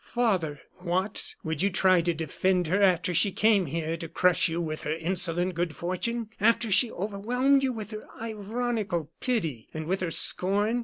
"Father!" "What! would you try to defend her after she came here to crush you with her insolent good fortune after she overwhelmed you with her ironical pity and with her scorn?